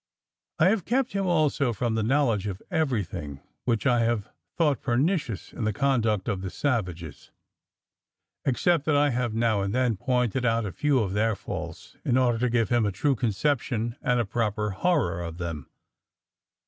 "I have kept him also from the knowledge of everything which I have thought pernicious in the conduct of the savages, except that I have now and then pointed out a few of their faults, in order to give him a true conception and a proper horror of them.